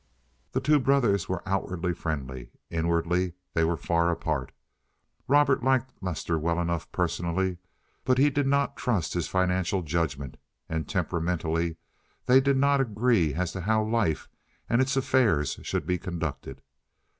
The two brothers were outwardly friendly; inwardly they were far apart. Robert liked Lester well enough personally, but he did not trust his financial judgment, and, temperamentally, they did not agree as to how life and its affairs should be conducted.